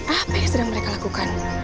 apa yang sedang mereka lakukan